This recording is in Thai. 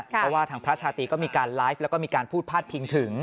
เพราะว่าทางพระชาตรีก็มีการไลฟ์แล้วก็มีการพูดพาดพิงถึง